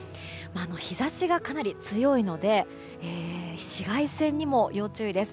日差しがかなり強いので紫外線にも要注意です。